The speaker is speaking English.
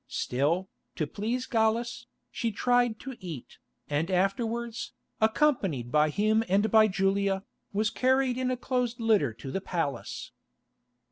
Still, to please Gallus, she tried to eat, and afterwards, accompanied by him and by Julia, was carried in a closed litter to the palace.